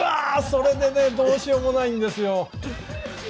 それでねどうしようもないんですよ。